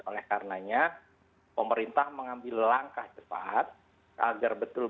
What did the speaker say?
oleh karenanya pemerintah mengambil langkah cepat agar betul betul bisa mengandalkan sehingga layanan kesehatan kita